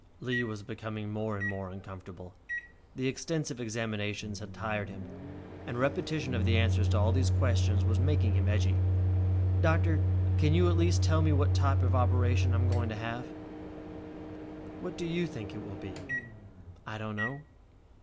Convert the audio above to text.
Lee was becoming more and more uncomfortable. The extensive examinations had tired him, and repetition of the answers to all these questions was making him edgy. "Doctor, can't you at least tell me what type operation I'm going to have?" "What do you think it will be?" "I don't know.